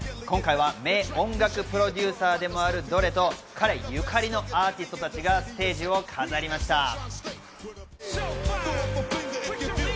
今回は名音楽プロデューサーでもあるドレーと彼ゆかりのアーティストたちがステージを飾りました。